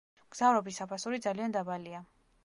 მგზავრობის საფასური ძალიან დაბალია.